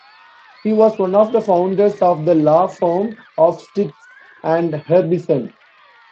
He was one of the founders of the law firm of Stites and Harbison.